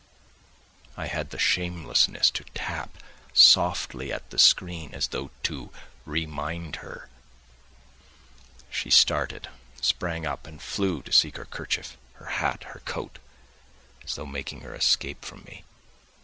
I had the shamelessness to tap softly at the screen as though to remind her.... She started, sprang up, and flew to seek her kerchief, her hat, her coat, as though making her escape from me....